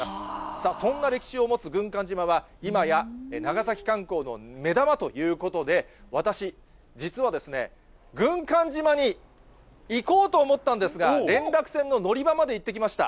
さあ、そんな歴史を持つ軍艦島は、今や長崎観光の目玉ということで、私、実は軍艦島に行こうと思ったんですが、連絡船の乗り場まで行ってきました。